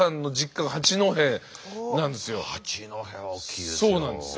八戸は大きいですよ。